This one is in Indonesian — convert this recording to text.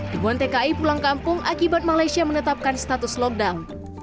ribuan tki pulang kampung akibat malaysia menetapkan status lockdown